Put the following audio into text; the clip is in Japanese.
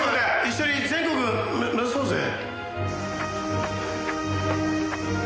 一緒に全国目指そうぜ。